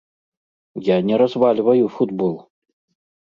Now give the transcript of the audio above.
Я не развальваю футбол.